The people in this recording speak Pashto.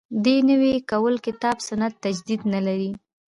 دین نوی کول کتاب سنت تجدید نه لري.